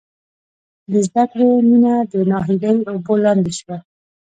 د زدکړې مینه د ناهیلۍ اوبو لاندې شوه